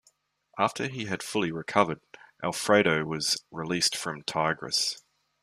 After he had fully recovered, Alfredo was released from Tigres.